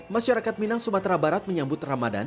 masyarakat minang sumatera barat menyambut ramadan